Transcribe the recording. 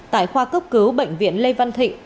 tại khoa cấp cứu bệnh viện lê văn thịnh